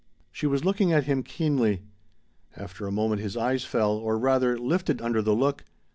She was looking at him keenly. After a moment his eyes fell, or rather, lifted under the look.